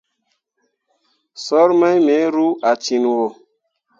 Soor mai me ru a ciŋwo.